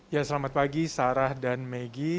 ya selamat pagi sarah dan megi